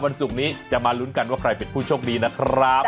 ศุกร์นี้จะมาลุ้นกันว่าใครเป็นผู้โชคดีนะครับ